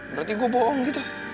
berarti gue bohong gitu